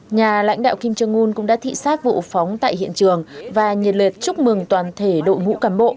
nhà lãnh đạo kim jong un cũng đã thị xác vụ phóng tại hiện trường và nhiệt lệch chúc mừng toàn thể đội ngũ cầm bộ